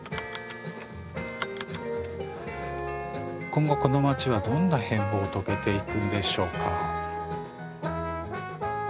「今後この街はどんな変貌を遂げていくんでしょうか？」